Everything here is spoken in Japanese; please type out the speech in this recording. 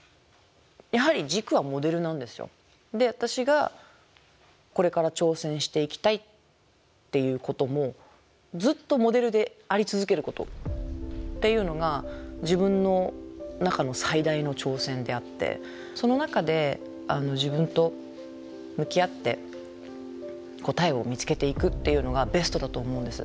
で私がこれから挑戦していきたいっていうこともずっとモデルであり続けることっていうのが自分の中の最大の挑戦であってその中で自分と向き合って答えを見つけていくっていうのがベストだと思うんです。